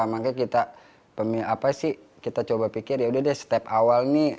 maka kita coba pikir yaudah deh step awal nih